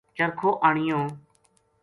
چرکھو آنیو